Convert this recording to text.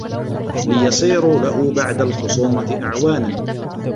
لِيَصِيرُوا لَهُ بَعْدَ الْخُصُومَةِ أَعْوَانًا